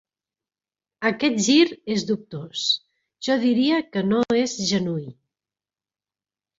Aquest gir és dubtós: jo diria que no és genuí.